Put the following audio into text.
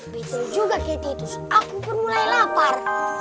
betul juga kayak tidur aku pun mulai lapar